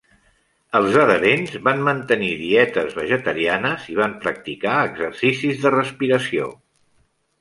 Els adherents van mantenir dietes vegetarianes i van practicar exercicis de respiració.